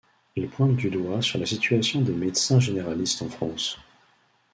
Il pointe du doigt sur la situation des médecins généralistes en France.